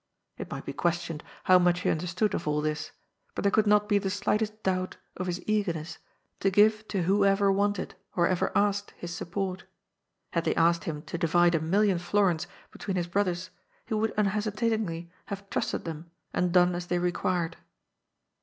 It might be questioned how much he understood of all this, but there could not be the slightest doubt of his eager ness to give to whoever wanted or ever asked his support. Had they asked him to divide a million florins between his brothers, he would unhesitatingly have trusted them and done as they required.